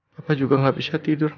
papa juga gak bisa tidur nak